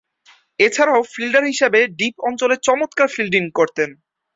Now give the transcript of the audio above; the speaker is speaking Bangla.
এছাড়াও, ফিল্ডার হিসেবে ডিপ অঞ্চলে চমৎকার ফিল্ডিং করতেন।